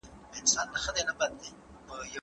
په درسي کتابونو کي د چاپ کیفیت تل د ډاډ وړ نه و.